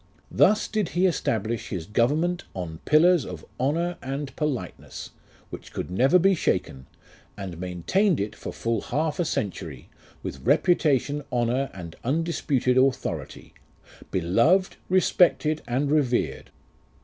Thus did he establish his government on pillars Of honour and politeness, Which could never he shaken : And maintained it for full half a century, With reputation, honour, and undisputed authority, Beloved, respected, and revered.